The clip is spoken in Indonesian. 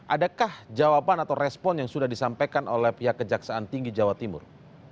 adakah jawaban atau respon yang sudah disampaikan oleh pihak kejaksaan tinggi jawa timur